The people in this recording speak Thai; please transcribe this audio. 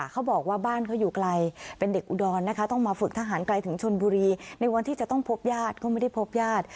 เขาบอกว่าบ้านเขาอยู่ไกลเป็นเด็กอุดรนะคะต้องมาฝึกทหารไกลถึงชนบุรีในวันที่จะต้องพบญาติก็ไม่ได้พบญาติ